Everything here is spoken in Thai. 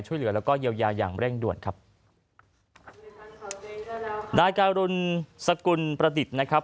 ช่วยเหลือแล้วก็เยียวยาอย่างเร่งด่วนครับนายการุณสกุลประดิษฐ์นะครับ